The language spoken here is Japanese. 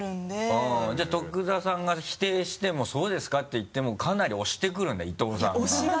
あぁじゃあ徳田さんが否定しても「そうですか？」って言ってもかなり押してくるんだ伊藤さんが。